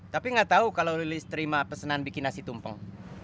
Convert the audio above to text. tapi nggak tahu kalau lilis terima pesanan bikin nasi tumpeng